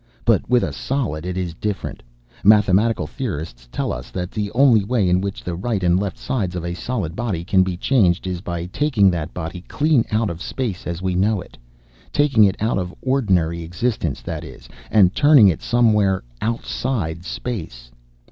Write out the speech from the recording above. But with a solid it is different. Mathematical theorists tell us that the only way in which the right and left sides of a solid body can be changed is by taking that body clean out of space as we know it, taking it out of ordinary existence, that is, and turning it somewhere outside space.